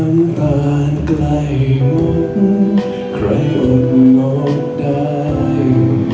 น้ำตาลใกล้ใครอดมองได้